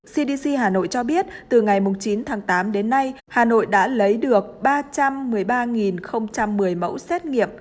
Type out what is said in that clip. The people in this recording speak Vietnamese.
cdc hà nội cho biết từ ngày chín tháng tám đến nay hà nội đã lấy được ba trăm một mươi ba một mươi mẫu xét nghiệm